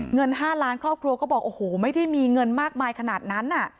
เงิน๕ล้านครอบครัวก็บอกโอ้โหไม่ได้มีเงินมากมายขนาดนั้น